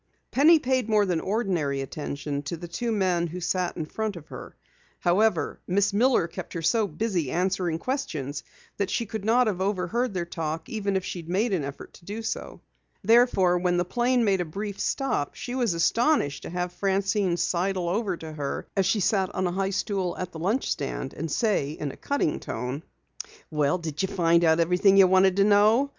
Penny paid more than ordinary attention to the two men who sat in front of her. However, Miss Miller kept her so busy answering questions that she could not have overheard their talk, even if she had made an effort to do so. Therefore, when the plane made a brief stop, she was astonished to have Francine sidle over to her as she sat on a high stool at the lunch stand, and say in a cutting tone: "Well, did you find out everything you wanted to know?